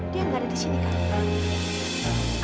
dia gak ada di sini kan